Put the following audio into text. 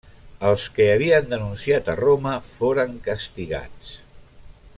Els que havien denunciat a Romà foren castigats.